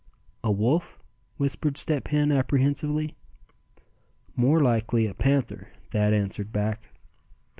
"A wolf?" whispered Step Hen, apprehensively. "More likely a panther," Thad answered back.